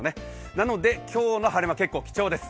なので今日の晴れ間結構貴重です。